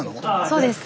そうです。